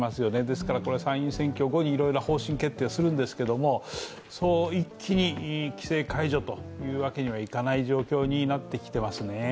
ですから、参院選挙後にいろいろ方針決定するんですけど一気に規制解除というわけにはいかない状況になってきてますね。